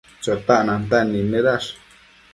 Chotac nantan nidnëdash